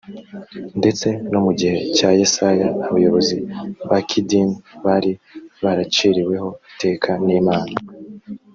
ndetse no mu gihe cya yesaya abayobozi ba kidini bari baraciriweho iteka n imana